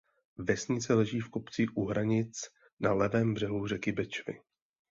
Vesnice leží v kopcích u Hranic na levém břehu řeky Bečvy.